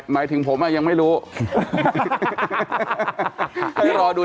หมายถึงผมอ่ะยังไม่รู้